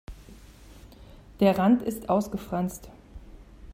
Der Rand ist ausgefranst.